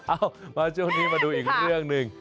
เอามาช่วงนี้มาดูอีกเรื่องหนึ่ง